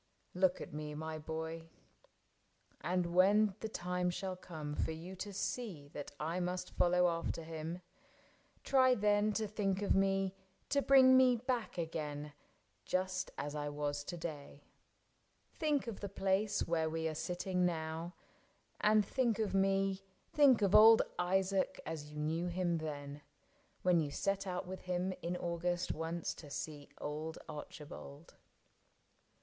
,.. Look at me, my boy, And when the time shall come for you to see That I must follow after him, try then To think of me, to bring me back again, Just as I was to day. Think of the place Where we are sitting now, and think of mc — Think of old Isaac as you knew him then. When you set out with him in August once To see old Archibald."